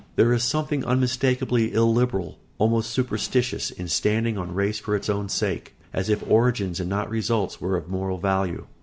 There is something unmistakably illiberal, almost superstitious, in standing on race for its own sake, as if origins and not results were of moral value.